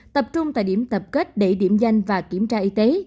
họ trung tại điểm tập kết đẩy điểm danh và kiểm tra y tế